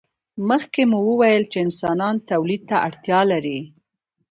مخکې مو وویل چې انسانان تولید ته اړتیا لري.